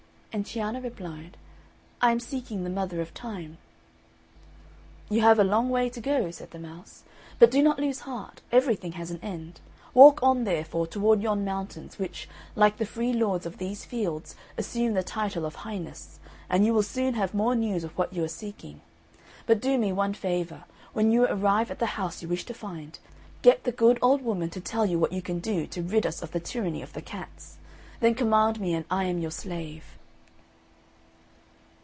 And Cianna replied, "I am seeking the Mother of Time." "You have a long way to go," said the mouse; "but do not lose heart, everything has an end. Walk on, therefore, toward yon mountains, which, like the free lords of these fields, assume the title of Highness, and you will soon have more news of what you are seeking. But do me one favour, when you arrive at the house you wish to find, get the good old woman to tell you what you can do to rid us of the tyranny of the cats; then command me, and I am your slave."